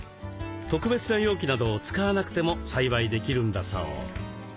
特別な容器などを使わなくても栽培できるんだそう。